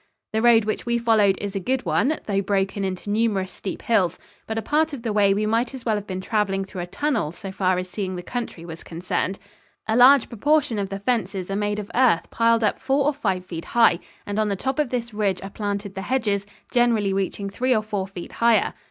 The road which we followed is a good one, though broken into numerous steep hills, but a part of the way we might as well have been traveling through a tunnel so far as seeing the country was concerned. A large proportion of the fences are made of earth piled up four or five feet high, and on the top of this ridge are planted the hedges, generally reaching three or four feet higher.